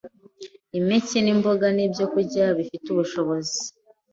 impeke n’imboga nk’ibyokurya bifite ubushobozi